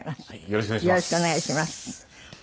よろしくお願いします。